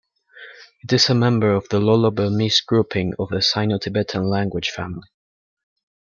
It is a member of the Lolo-Burmese grouping of the Sino-Tibetan language family.